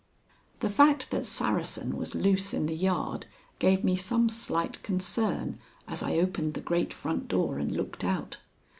The fact that Saracen was loose in the yard gave me some slight concern as I opened the great front door and looked out.